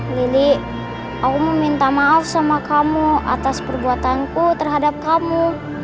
lili aku meminta maaf sama kamu atas perbuatanku terhadap kamu